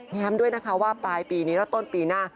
ด้วยนะคะว่าปลายปีนี้และต้นปีหน้า